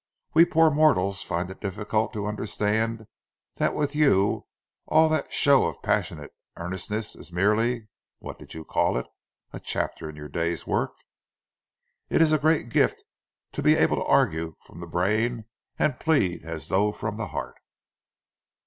"We poor mortals find it difficult to understand that with you all that show of passionate earnestness is merely what did you call it? a chapter in your day's work? It is a great gift to be able to argue from the brain and plead as though from the heart."